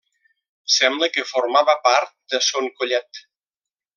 Sembla que formava part de Son Collet.